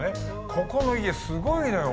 ここの家すごいのよ。